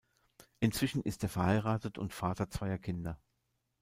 Inzwischen ist er verheiratet und Vater zweier Kinder.